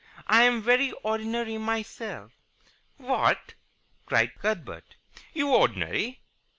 I am very ordinary myself " "What!" cried Cuthbert. "You ordinary?